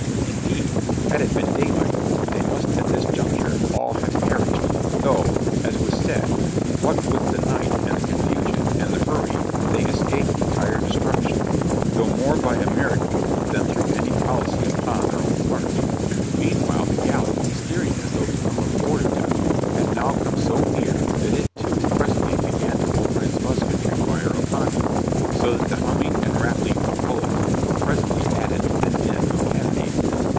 Indeed, had it been daylight, they must at this juncture all have perished, though, as was said, what with the night and the confusion and the hurry, they escaped entire destruction, though more by a miracle than through any policy upon their own part. Meantime the galley, steering as though to come aboard of them, had now come so near that it, too, presently began to open its musketry fire upon them, so that the humming and rattling of bullets were presently added to the din of cannonading.